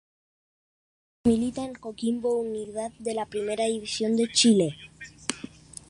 Actualmente milita en Coquimbo Unido de la Primera División de Chile.